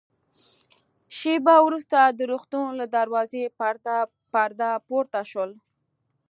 شېبه وروسته د روغتون له دروازې پرده پورته شول.